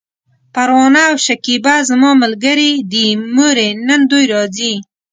پروانه او شکيبه زما ملګرې دي، مورې! نن دوی راځي!